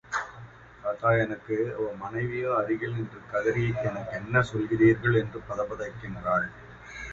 தாத்தா எனக்கு...... அவர் மனைவியும் அருகில் நின்று கதறி, எனக்கு என்ன சொல்கிறீர்கள்? என்று பதைபதைக்கின்றாள்.